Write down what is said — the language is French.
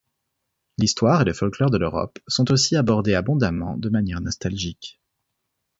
L'histoire et le folklore de l'Europe sont aussi abordés abondamment de manière nostalgique.